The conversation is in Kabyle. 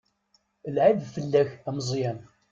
D lεib fell-ak a Meẓyan.